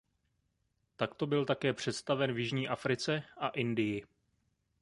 Takto byl také představen v Jižní Africe a Indii.